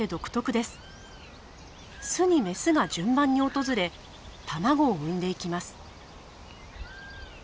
巣にメスが順番に訪れ卵を産んでいきます。